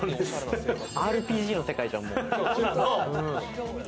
ＲＰＧの世界じゃん！